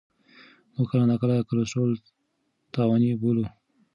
موږ کله ناکله کلسترول تاواني بولو.